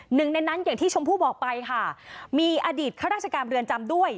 หนึ่งในนั้นอย่างที่ชมพู่บอกไปค่ะมีอดีตข้าราชการเรือนจำด้วย